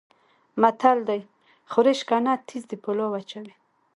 متل دی: خوري شکنه تیز د پولاو اچوي.